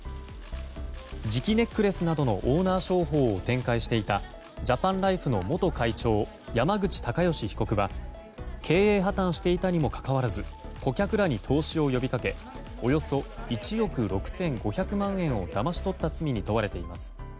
磁気ネックレスなどのオーナー商法を展開していたジャパンライフの元会長山口隆祥被告は経営破綻していたにもかかわらず顧客らに投資を呼びかけおよそ１億６５００万円をだまし取った罪に問われています。